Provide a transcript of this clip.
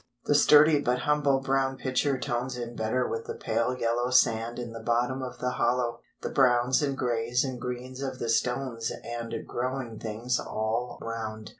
The sturdy but humble brown pitcher tones in better with the pale yellow sand in the bottom of the hollow, the browns and greys and greens of the stones and growing things all round.